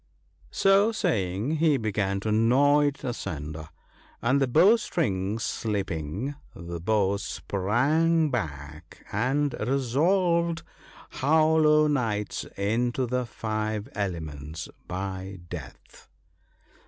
So saying, he began to gnaw it asunder, and the bow string slipping, the bow sprang back, and resolved Howl o' Nights into the five ele ments ( 37 ) by death.